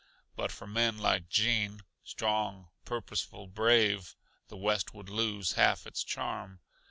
But for men like Gene strong, purposeful, brave, the West would lose half its charm.